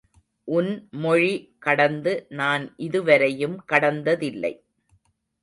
உன் மொழி கடந்து நான் இதுவரையும் கடந்ததில்லை.